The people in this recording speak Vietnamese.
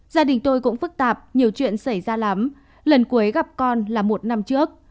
gia đình tôi cũng phức tạp nhiều chuyện xảy ra lắm lần cuối gặp con là một năm trước